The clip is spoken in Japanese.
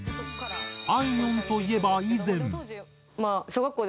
あいみょんといえば以前。